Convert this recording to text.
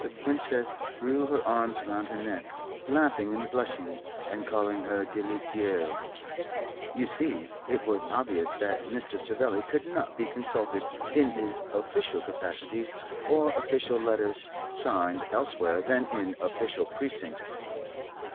The Princess threw her arms round her neck, laughing and blushing and calling her delicieuse. You see it was obvious that Mr. Savelli could not be consulted in his official capacity or official letters signed elsewhere than in official precincts.